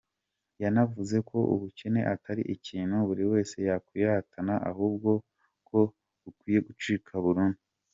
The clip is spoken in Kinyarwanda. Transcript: Yanavuze ko ubukene atari ikintu buri wese yakwiratana ahubwo ko bukwiye gucika burundu.